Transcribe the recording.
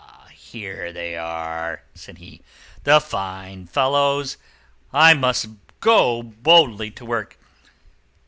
here they are," said he, "the fine fellows! I must go boldly to work."